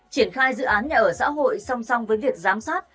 triển khai dự án nhà ở xã hội song song với việc giám sát